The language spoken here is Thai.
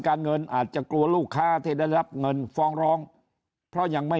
การเงินอาจจะกลัวลูกค้าที่ได้รับเงินฟ้องร้องเพราะยังไม่